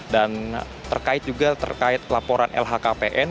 dan terkait juga terkait laporan lhkpn